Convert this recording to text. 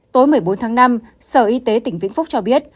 tối một mươi bốn tháng năm sở y tế tỉnh vĩnh phúc cho biết